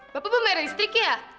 bapak ibu bayar listrik ya